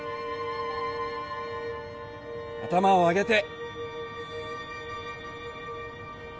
頭を上げて！